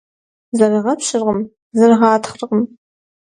Зэрыгъэпщыркъым, зэрыгъатхъэркъым.